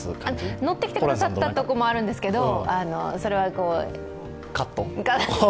乗ってきてくださるところもあるんですけど、それはカット。